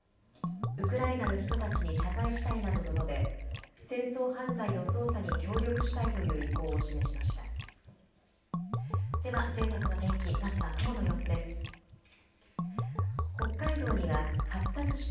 ウクライナの人たちに謝罪したいなどと述べ戦争犯罪の捜査に協力したいという意向を示しました。